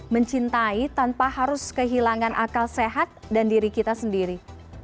mencintai tanpa harus kehilangan akal sehat dan diri kita sendiri